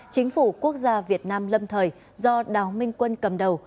chính phủ quốc gia việt nam lâm thời do đào minh quân cầm đầu